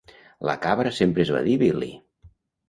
La cabra sempre es va dir "Billy".